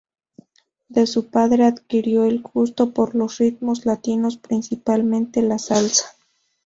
De su padre adquirió el gusto por los ritmos latinos, principalmente la salsa.